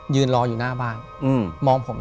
ถูกต้องไหมครับถูกต้องไหมครับ